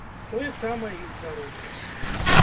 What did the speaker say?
Тое самае і з заробкам.